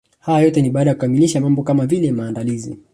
Haya yote ni baada ya kukamilisha mambo kama vile maandalizi